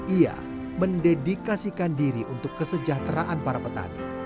ia mendedikasikan diri untuk kesejahteraan para petani